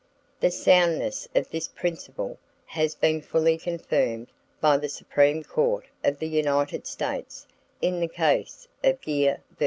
The soundness of this principle has been fully confirmed by the Supreme Court of the United States in the case of Geer vs.